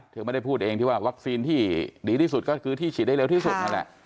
เธอไม่ได้พูดเองที่ว่าวัคซีนที่ดีที่สุดก็คือที่ฉีดได้เร็วที่สุดนั่นแหละ